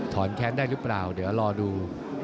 แค้นได้หรือเปล่าเดี๋ยวรอดู